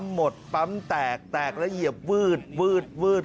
หมดปั๊มแตกแตกแล้วเหยียบวืดวืด